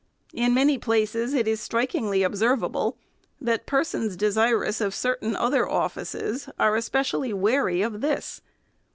In many places it is strikingly observable, that persons desirous of certain other offices are especially wary of this.